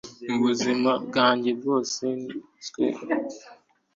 mubuzima bwanjye bwose niswe udakwiriye